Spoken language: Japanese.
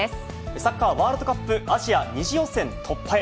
サッカーワールドカップ２次予選突破へ。